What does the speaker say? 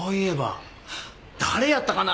誰やったかな？